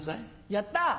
やった。